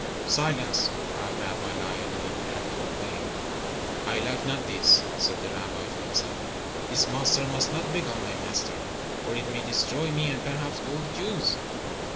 "Silence," cried Rabbi Lion, and it had to obey. "I like not this," said the rabbi to himself. "This monster must not become my master, or it may destroy me and perhaps all the Jews."